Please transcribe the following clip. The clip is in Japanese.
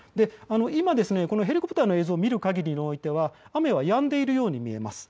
今ヘリコプターの映像を見るかぎりにおいては雨はやんでいるように見えます。